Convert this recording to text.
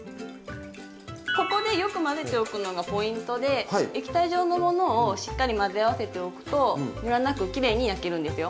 ここでよく混ぜておくのがポイントで液体状のものをしっかり混ぜ合わせておくとむらなくきれいに焼けるんですよ。